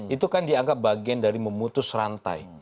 itu kan dianggap bagian dari memutus rantai